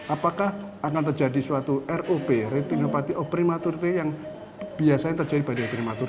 apakah akan terjadi suatu rop retinopati of prematur yang biasanya terjadi pada bayi prematur